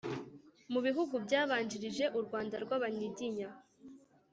mu bihugu byabanjirije u rwanda rw'abanyiginya